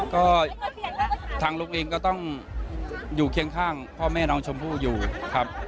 ก็ทางลุงเองก็ต้องอยู่เคียงข้างพ่อแม่น้องชมพู่อยู่ครับ